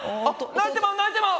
泣いてまう泣いてまう！